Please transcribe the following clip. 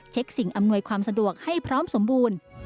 สิ่งอำนวยความสะดวกให้พร้อมสมบูรณ์